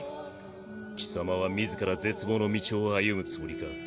貴様は自ら絶望の道を歩むつもりか？